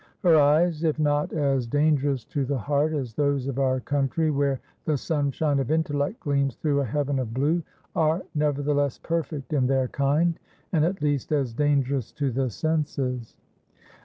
Her eyes, if not as dangerous to the heart as those of our country, where the sunshine of intellect gleams through a heaven of blue, are, nevertheless, perfect in their kind, and at least as dangerous to the senses.